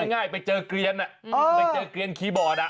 ง่ายไปเจอเกลียนไปเจอเกลียนคีย์บอร์ด